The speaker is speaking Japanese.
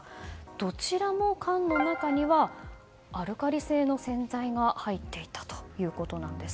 どちらも缶の中にはアルカリ性の洗剤が入っていたということなんです。